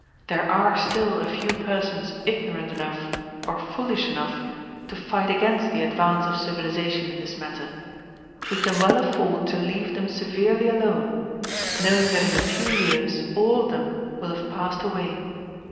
There are still a few persons ignorant enough or foolish enough to fight against the advance of civilization in this matter; we can well afford to leave them severely alone, knowing that in a few years all of them will have passed away.